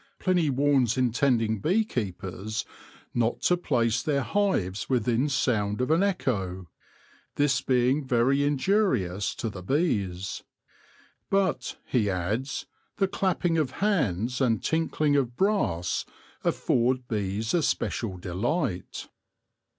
Pliny warns in tending bee keepers not to place their hives within sound of an echo, this being very injurious to the bees ; but, he adds, the clapping of hands and tink ling of brass afford bees especial delight.